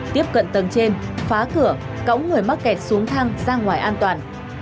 tiếp cận tầng trên phá cửa cõng người mắc kẹt xuống thang ra ngoài an toàn